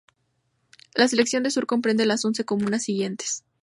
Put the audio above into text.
La sección de Sur comprende las once comunas siguientes